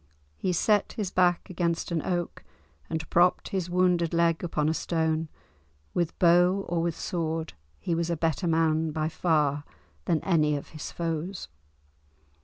He set his back against an oak and propped his wounded leg upon a stone; with bow or with sword he was a better man by far than any of his foes.